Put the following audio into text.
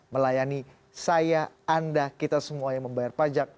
melayani saya anda kita semua yang membayar pajak